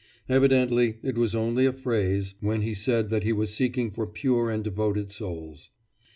Evidently it was only a phrase when he said that he was seeking for pure and devoted souls.